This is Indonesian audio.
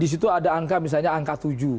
di situ ada angka misalnya angka tujuh